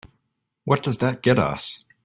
What does that get us?